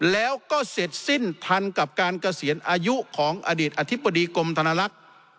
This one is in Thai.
แล้วก็เสร็จสิ้นทันกับการเกษียณอายุของอดีตอธิบดีกรมธนลักษณ์